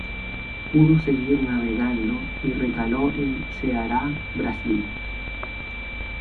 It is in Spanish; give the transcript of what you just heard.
Pudo seguir navegando y recaló en Ceará, Brasil.